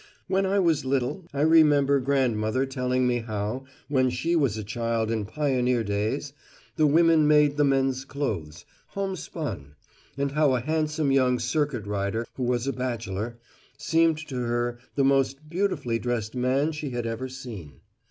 When I was little, I remember grandmother telling me how, when she was a child in pioneer days, the women made the men's clothes homespun and how a handsome young Circuit Rider, who was a bachelor, seemed to her the most beautifully dressed man she had ever seen.